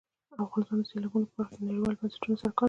افغانستان د سیلابونه په برخه کې نړیوالو بنسټونو سره کار کوي.